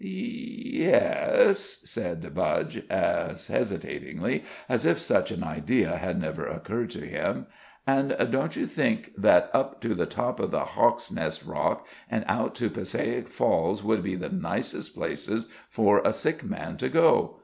"Y e es," said Budge, as hesitatingly as if such an idea had never occurred to him. "An' don't you think that up to the top of the Hawksnest Rock an' out to Passaic Falls would be the nicest places for a sick man to go?